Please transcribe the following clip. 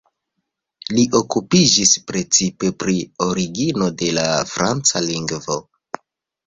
Li okupiĝis precipe pri origino de la franca lingvo.